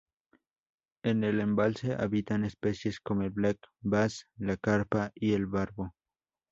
En el embalse habitan especies como el black bass, la carpa y el barbo.